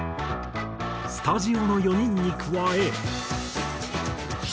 スタジオの４人に加え。